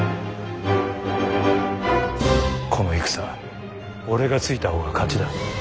この戦俺がついた方が勝ちだ。